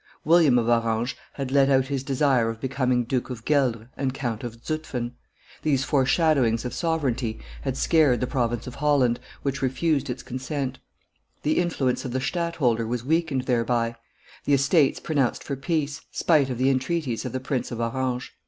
William of Orange had let out his desire of becoming Duke of Gueldres and Count of Zutphen: these foreshadowings of sovereignty had scared the province of Holland, which refused its consent; the influence of the stadtholder was weakened thereby; the Estates pronounced for peace, spite of the entreaties of the Prince of Orange.